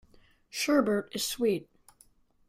Sherbet is sweet.